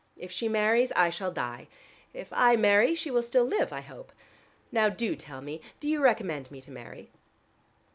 If she marries I shall die: if I marry, she will still live I hope. Now do tell me: do you recommend me to marry?"